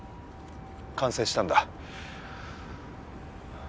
完成したんだ。